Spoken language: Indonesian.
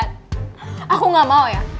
aku gak mau ya